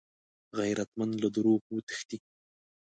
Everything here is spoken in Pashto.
غیرتمند له دروغو وتښتي